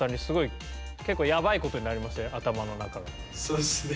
そうですね。